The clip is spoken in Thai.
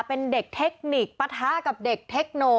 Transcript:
เป็นเด็กเทคนิคปะทะกับเด็กเทคโน